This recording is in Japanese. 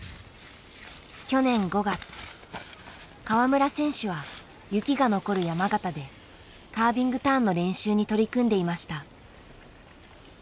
川村選手は雪が残る山形でカービングターンの練習に取り組んでいました。